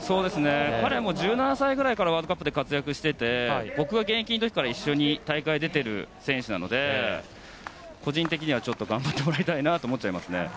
彼も１７歳ぐらいからワールドカップで活躍していて僕が現役の時から一緒に大会に出ている選手なので個人的には頑張ってもらいたいと思っちゃいますね。